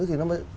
thì nó mới